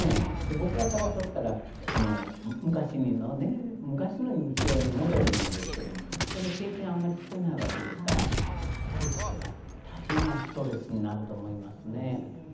僕らからとったら昔のね、昔の日常に戻るんですけども、それを経験、あまりしてないわけですから、やっぱりこれは大変なストレスになると思いますね。